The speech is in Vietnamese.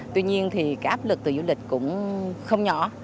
tuy nhiên áp lực từ du lịch cũng không nhỏ